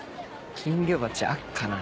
金魚鉢あっかな？